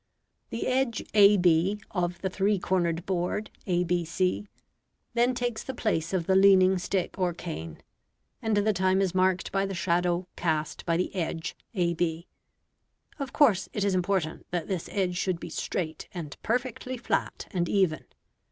The edge ab of the three cornered board abc then takes the place of the leaning stick or cane, and the time is marked by the shadow cast by the edge ab. Of course, it is important that this edge should be straight and perfectly flat and even.